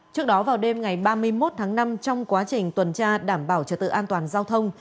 trước đó vào đêm ngày ba mươi một tháng năm trong quá trình tuần tra đảm bảo trật tự an toàn giao thông